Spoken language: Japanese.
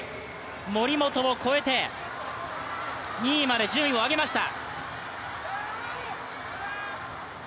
森本を超えて２位まで順位を上げました。